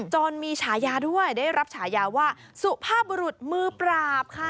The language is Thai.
จนมีฉายาด้วยได้รับฉายาว่าสุภาพบุรุษมือปราบค่ะ